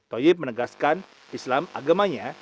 toyib menegaskan islam agamanya